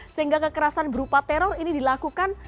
sehingga kekerasan berupa teror ini dilakukan